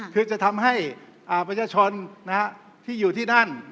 คือจะทำให้ประชาชนที่อยู่ที่นั่น